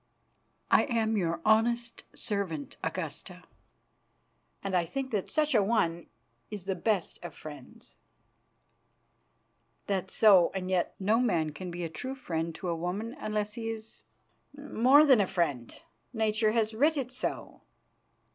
"I am your honest servant, Augusta, and I think that such a one is the best of friends." "That's so; and yet no man can be true friend to a woman unless he is more than friend. Nature has writ it so."